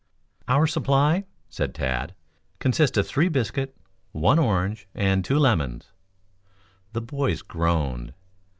"Our supply," said Tad, "consists of three biscuit, one orange and two lemons." The boys groaned.